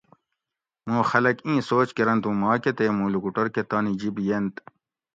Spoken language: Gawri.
مُوں خلک اِیں سوچ کۤرنت اُوں ماکۤہ تے مُوں لُکوٹور کۤہ تانی جِب یینت